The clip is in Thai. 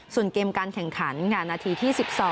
ส่วนเกมการแข่งขันค่ะนาทีที่๑๒